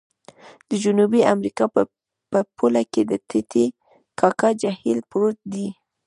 د جنوبي امریکا په پوله کې د ټې ټې کاکا جهیل پروت دی.